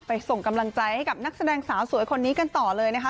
ส่งกำลังใจให้กับนักแสดงสาวสวยคนนี้กันต่อเลยนะคะ